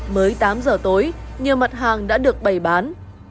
mới tám giờ tối nhiều mặt hàng đã được bày bán